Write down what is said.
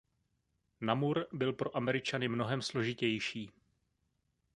Namur byl pro Američany mnohem složitější.